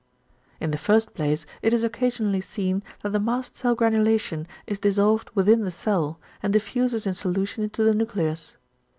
In the first place it is occasionally seen that the mast cell granulation is dissolved within the cell, and diffuses in solution into the nucleus.